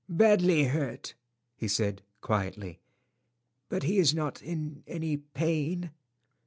"Badly hurt," he said, quietly, "but he is not in any pain."